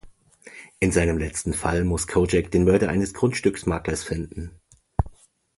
In seinem letzten Fall muss Kojak den Mörder eines Grundstücksmakler finden.